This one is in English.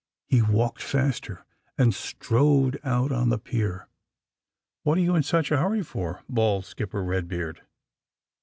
He walked faster, and strode out on the pier. *^ What are you in such a hurry fori" bawled Skipper Eedbeard.